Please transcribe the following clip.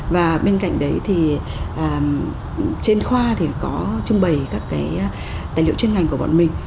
và bên cạnh đấy thì trên khoa thì có trưng bày các cái tài liệu chuyên ngành của bọn mình